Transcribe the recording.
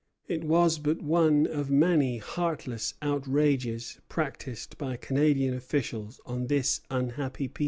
It was but one of many heartless outrages practised by Canadian officials on this unhappy people.